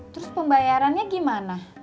terus pembayarannya gimana